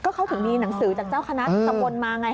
เขาถึงมีหนังสือจากเจ้าคณะตำบลมาไง